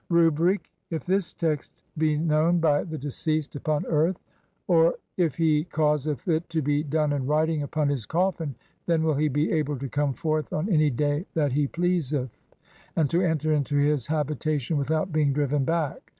Rubric : if this text be known [by the deceased] upon earth, (23) OR IF HE CAUSETH IT TO BE DONE IN WRITING UPON [HIS] COFFIN, THEN WILL HE BE ABLE TO COME FORTH ON ANY DAY THAT HE PLEASETH, AND TO ENTER INTO HIS HABITATION WITHOUT BEING DRIVEN BACK.